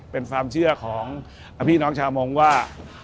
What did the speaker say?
เป็นความเชื่อของพี่น้องชาวมงค์ว่า